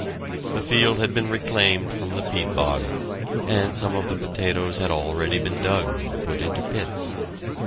The field had been reclaimed from the peat bog, and some of the potatoes had already been dug and put into pits.